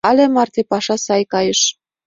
Але марте паша сай кайыш...